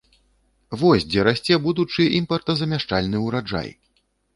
Вось дзе расце будучы імпартазамяшчальны ўраджай!